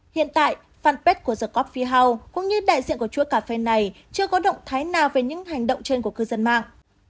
hiện tại fanpage của the cop phi hun cũng như đại diện của chuỗi cà phê này chưa có động thái nào về những hành động trên của cư dân mạng